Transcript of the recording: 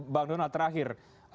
bang donal terakhir